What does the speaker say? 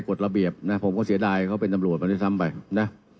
กฎระเบียบนะผมก็เสียดายเขาเป็นตำรวจมาด้วยซ้ำไปนะ